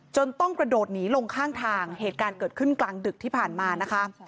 ต้องกระโดดหนีลงข้างทางเหตุการณ์เกิดขึ้นกลางดึกที่ผ่านมานะคะ